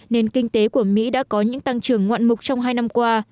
nền kinh tế của mỹ đã có những tăng trưởng ngoạn mục trong hai năm qua